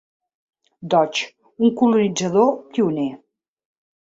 Dodge, un colonitzador pioner.